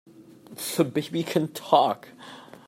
The baby can TALK!